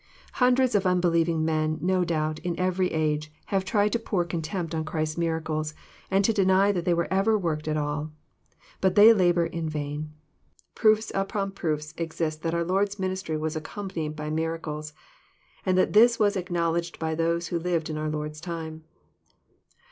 Hundreds of unbelieving men, no doubt, in every age, have tried to pour contempt on Christ's miracles, and to deny that they were ever worked at all. But they labour in vain. Proofs upon proofs exist that our Lord's ministry was accompanied by miracles ; and that this was acknowl edged by those who lived in our Lord's time.